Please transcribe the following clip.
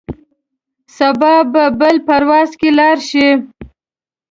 سبا به بل پرواز کې لاړ شې.